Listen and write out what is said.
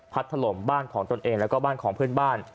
ถล่มบ้านของตนเองแล้วก็บ้านของเพื่อนบ้าน